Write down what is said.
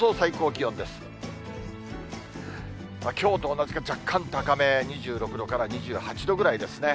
きょうと同じか、若干高め、２６度から２８度ぐらいですね。